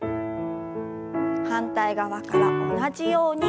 反対側から同じように。